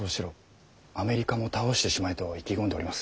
アメリカも倒してしまえ」と意気込んでおります。